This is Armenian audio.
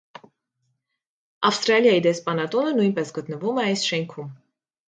Ավստրալիայի դեսպանատունը նույնպես գտնվում է այս շենքում։